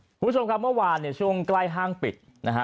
คุณผู้ชมครับเมื่อวานเนี่ยช่วงใกล้ห้างปิดนะฮะ